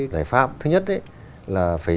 giải pháp thứ nhất là phải